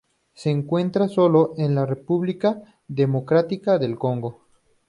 Se encuentra sólo en la República Democrática del Congo.